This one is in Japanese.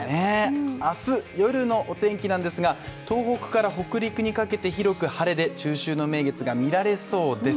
明日、夜のお天気ですが、東北から北陸にかけて広く晴れで中秋名月が見られそうです。